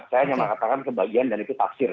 saya hanya mengatakan sebagian dan itu taksir